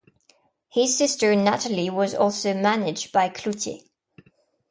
His sister Nathalie was also managed by Cloutier.